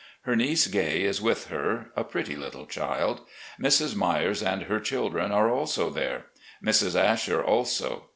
Her niece. Gay, is with her, a pretty little child. Mrs. Myers and her children are also there. Mrs. Asher also.